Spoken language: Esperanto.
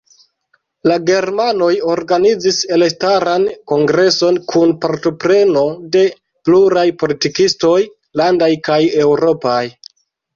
La germanoj organizis elstaran kongreson kun partopreno de pluraj politikistoj, landaj kaj eŭropaj.